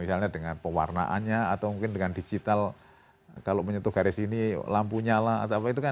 misalnya dengan pewarnaannya atau mungkin dengan digital kalau menyentuh garis ini lampu nyala atau apa itu kan